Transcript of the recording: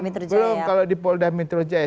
mitro jaya belum kalau di polda mitro jaya